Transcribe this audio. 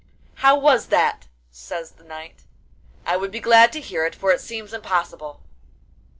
'How was that?' says the knight; 'I would be glad to hear it, for it seems impossible.